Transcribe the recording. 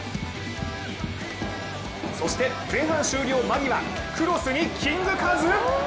そして前半終了間際クロスにキングカズ。